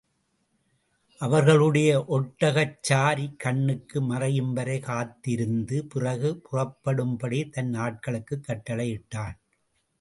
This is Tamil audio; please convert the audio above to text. அவர்களுடைய ஒட்டகச்சாரி கண்ணுக்கு மறையும் வரை காத்திருந்து பிறகு புறப்படும்படி தன் ஆட்களுக்குக் கட்டளையிட்டான்.